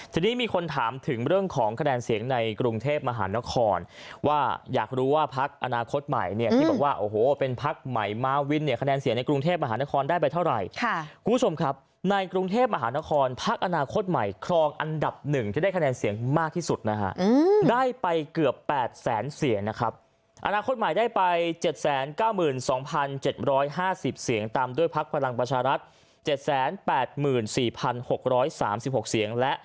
ทีนี้มีคนถามถึงเรื่องของคะแนนเสียงในกรุงเทพมหานครว่าอยากรู้ว่าพักอนาคตใหม่เนี่ยที่บอกว่าโอ้โหเป็นพักใหม่มาวินเนี่ยคะแนนเสียงในกรุงเทพมหานครได้ไปเท่าไหร่ค่ะคุณผู้ชมครับในกรุงเทพมหานครพักอนาคตใหม่ครองอันดับหนึ่งที่ได้คะแนนเสียงมากที่สุดนะฮะได้ไปเกือบ๘แสนเสียงนะครับอนาคตใหม่ได้ไป๗๙๒๗๕๐เสียงตามด้วยพักพลังประชารัฐ๗๘๔๖๓๖เสียงและ